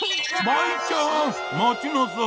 舞ちゃんまちなさい。